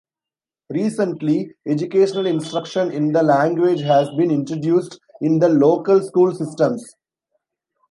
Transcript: Recently, educational instruction in the language has been introduced in the local school systems.